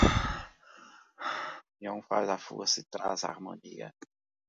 A união faz a força e traz harmonia.